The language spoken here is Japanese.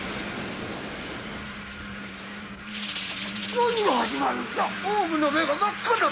何が始まるんじゃ⁉王蟲の目が真っ赤だ！